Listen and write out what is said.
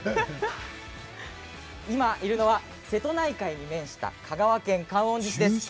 今いるのは瀬戸内海に面した香川県の観音寺市です。